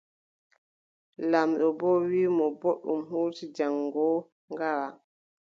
Laamɓo wii mo: booɗɗum huucu jaŋgo ngara.